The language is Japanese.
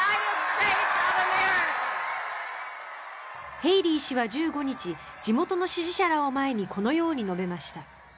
ヘイリー氏は１５日地元の支持者らを前にこのように述べました。